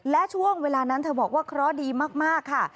และช่วงเวลานั้นเธอบอกว่าเคราะห์ดีมากค่ะ